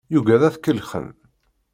Yugad ad t-kellxen.